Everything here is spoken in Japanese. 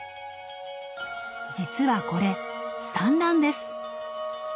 実はこれ産卵です。